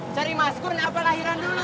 cari mas kun apa lahiran dulu